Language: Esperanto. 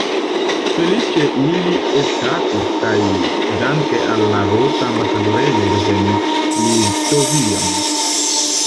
Feliĉe ili eskapis kaj danke al la rusa ambasadorejo revenis Litovion.